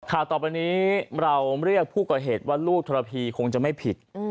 ข่าวต่อไปนี้เราเรียกผู้ก่อเหตุว่าลูกธรพีคงจะไม่ผิด